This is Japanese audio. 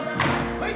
はい！